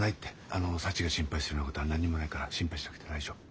あのサチが心配するようなことは何にもないから心配しなくて大丈夫。